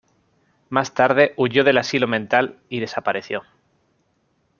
Más tarde huyó del asilo mental, y desapareció.